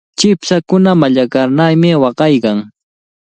Chipshakunaqa mallaqanarmi waqaykan.